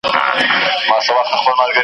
بې سلیقې او بې ترتیبه دې یم